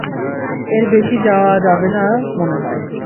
এর বেশি যাওয়া যাবে না মনে হয়।